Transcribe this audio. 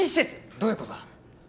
どういうことだ？